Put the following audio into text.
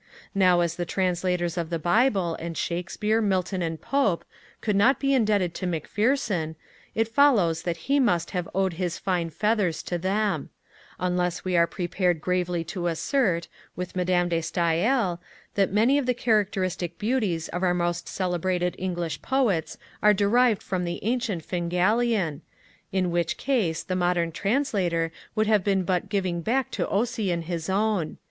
Now as the Translators of the Bible, and Shakespeare, Milton, and Pope, could not be indebted to Macpherson, it follows that he must have owed his fine feathers to them; unless we are prepared gravely to assert, with Madame de Stael, that many of the characteristic beauties of our most celebrated English Poets are derived from the ancient Fingallian; in which case the modern translator would have been but giving back to Ossian his own.